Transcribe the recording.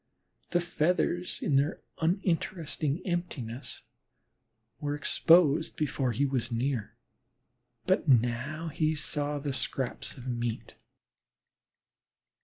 The feathers in their uninteresting emptiness were exposed before he was near, but now he saw the scraps of meat.